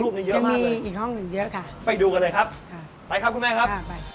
เดี๋ยวมีอีกห้องหนึ่งเยอะค่ะไปดูกันเลยครับไปครับคุณแม่ครับ